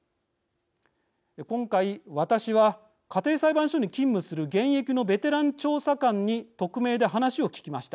今回、私は家庭裁判所に勤務する現役のベテラン調査官に匿名で話を聞きました。